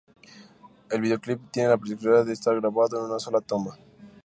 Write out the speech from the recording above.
El vídeoclip tiene la particularidad de estar grabado en una sola toma.